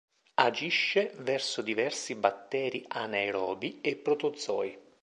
Agisce verso diversi batteri anaerobi e protozoi.